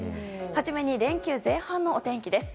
初めに連休前半のお天気です。